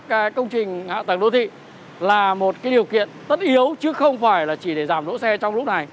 cái công trình hạ tầng đô thị là một cái điều kiện tất yếu chứ không phải là chỉ để giảm đỗ xe trong lúc này